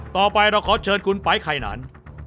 ต่อไปเราขอเชิญคุณปร้ายไข่นาน